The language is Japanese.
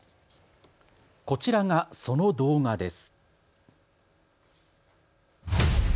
こちらがその動画です。